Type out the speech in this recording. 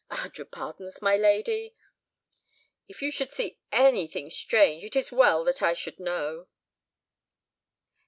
"A hundred pardons, my lady." "If you should see anything strange, it is well that I should know."